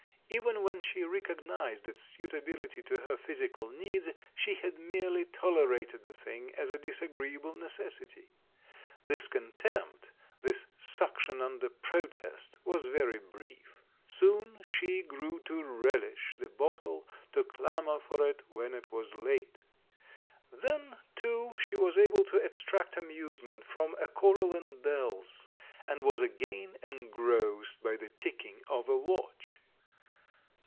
Even when she recog nised its suitability to her physical needs, she had merely tolerated the thing as a disagreeable ne cessity. This contempt, this suction under pro test, was very brief. Soon she grew to relish the bottle, to clamour for it when it was late. Then, too, she was able to extract amusement from a coral and bells, and was again engrossed by the ticking of a watch.